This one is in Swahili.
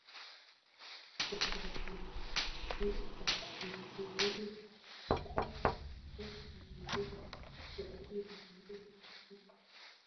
vinavyoiunda aliuliza maswali na kutoa majibu yaliyo muhimu mpaka leo